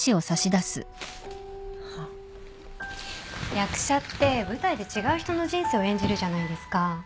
役者って舞台で違う人の人生を演じるじゃないですか。